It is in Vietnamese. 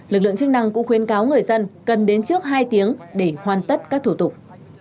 lực lượng chức năng cũng khuyên cáo người dân cần đến trước hai tiếng để hoàn tất các thủ tục